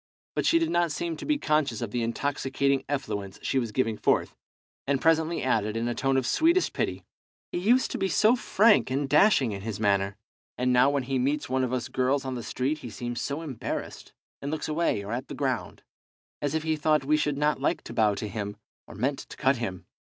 But she did not seem to be conscious of the intoxicating effluence she was giving forth, and presently added, in a tone of sweetest pity "He used to be so frank and dashing in his manner, and now when he meets one of us girls on the street he seems so embarrassed, and looks away or at the ground, as if he thought we should not like to bow to him, or meant to cut him.